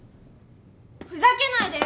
・ふざけないでよ！